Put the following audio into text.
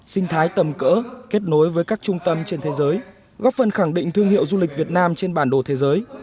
sinh thái tầm cỡ kết nối với các trung tâm trên thế giới góp phần khẳng định thương hiệu du lịch việt nam trên bản đồ thế giới